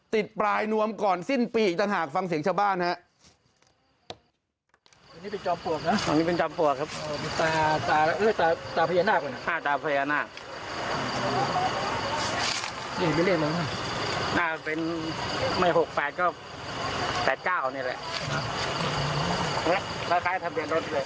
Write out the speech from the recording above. ติดปลายนวมก่อนสิ้นปีอีกต่างหากฟังเสียงชาวบ้านฮะ